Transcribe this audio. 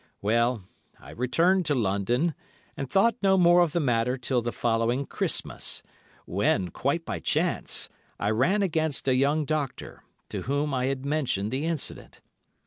Well, I returned to London, and thought no more of the matter till the following Christmas, when, quite by chance, I ran against a young doctor, to whom I had mentioned the incident.